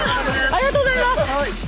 ありがとうございます！